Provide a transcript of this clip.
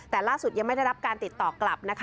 แต่ล่าสุดยังไม่ได้รับการติดต่อกลับนะคะ